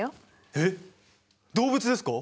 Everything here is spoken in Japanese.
えっ動物ですか？